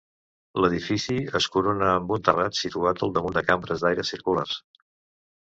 L'edifici es corona amb un terrat situat al damunt de cambres d'aire circulars.